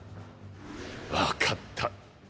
分かった。